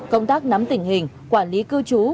công tác nắm tình hình quản lý cư trú